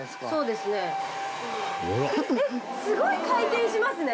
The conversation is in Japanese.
すごい回転しますね！